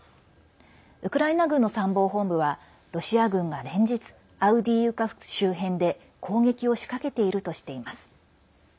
ウクライナ軍の参謀本部はロシア軍が連日アウディーイウカ周辺で攻撃を仕掛けているとしています。